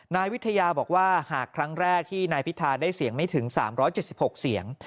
นายวิทยาบอกว่าหากครั้งแรกที่นายพิธาได้เสียงไม่ถึง๓๗๖เสียง